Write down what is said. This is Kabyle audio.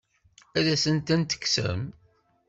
Ad asent-tent-tekksem?